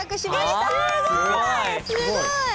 すごい！